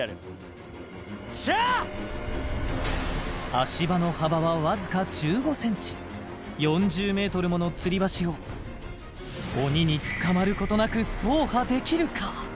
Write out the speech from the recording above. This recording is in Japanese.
足場の幅はわずか１５ｃｍ４０ｍものつり橋を鬼に捕まることなく走破できるか？